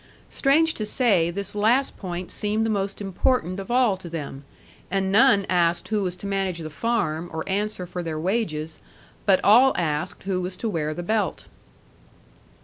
Strange to say, this last point seemed the most important of all to them; and none asked who was to manage the farm, or answer for their wages; but all asked who was to wear the belt.